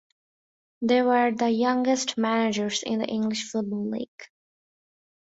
They were the youngest managers in the English Football League.